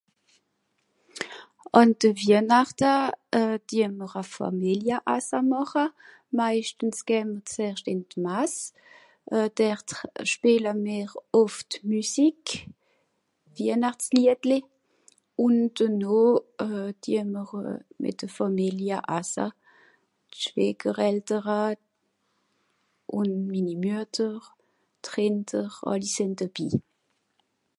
an de wienachta dieun me à familia assa màche meischtens geh s'erst ìm mass dert schpeele mer oft musique wienachtsliedle ùnd dono diemr mìt de familie assa d'schwegeeltera ùn minni müetter d'rinder àlli sìnd debi